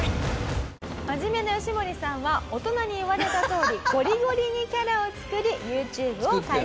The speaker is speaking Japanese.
「真面目なヨシモリさんは大人に言われたとおりゴリゴリにキャラを作りＹｏｕＴｕｂｅを開始」